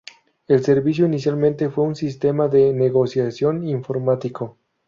El servicio inicialmente fue un sistema de negociación informático.